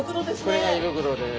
これが胃袋です。